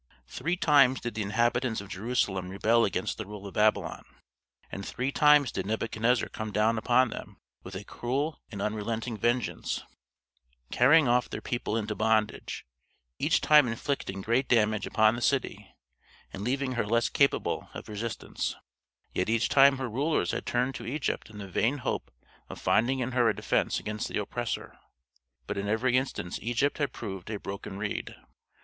Three times did the inhabitants of Jerusalem rebel against the rule of Babylon, and three times did Nebuchadnezzar come down upon them with a cruel and unrelenting vengeance, carrying off their people into bondage, each time inflicting great damage upon the city and leaving her less capable of resistance; yet each time her rulers had turned to Egypt in the vain hope of finding in her a defence against the oppressor, but in every instance Egypt had proved a broken reed.